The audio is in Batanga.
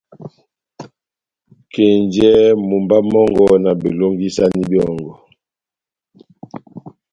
Kenjɛhɛ mumba mɔngɔ, na belongisani byɔ́ngɔ,